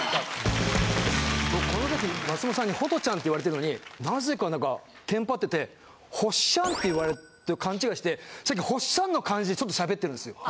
僕この時松本さんにホトちゃんって言われてんのになぜか何かテンパっててほっしゃんって言われてるって勘違いしてほっしゃんの感じでちょっと喋ってるんですよ。